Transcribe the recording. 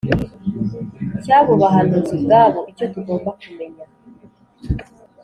Cy abo bahanuzi ubwabo icyo tugomba kumenya